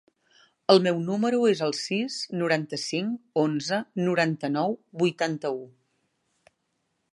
El meu número es el sis, noranta-cinc, onze, noranta-nou, vuitanta-u.